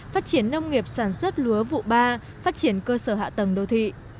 phát triển nông nghiệp sản xuất lúa vụ ba phát triển cơ sở hạ tầng đô thị